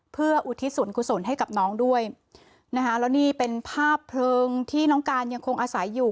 เพื่ออุทิศส่วนกุศลให้กับน้องด้วยนะคะแล้วนี่เป็นภาพเพลิงที่น้องการยังคงอาศัยอยู่